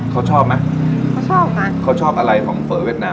เขาชอบไหมเขาชอบกันเขาชอบอะไรของเฝอเวียดนาม